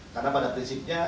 karena pada prinsipnya